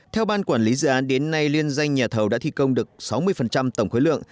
theo ban quản lý dự án đến nay liên danh nhà thầu đã thi công được sáu mươi tổng khối lượng